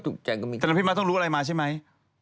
ก็มีขณะพี่ม้าต้องรู้อะไรมาใช่ไหม